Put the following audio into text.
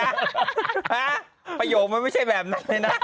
ฮะประโยคมันไม่ใช่แบบนั้นเลยนะ